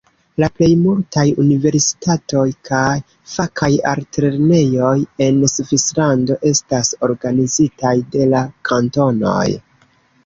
La plej multaj universitatoj kaj fakaj altlernejoj en Svislando estas organizitaj de la kantonoj.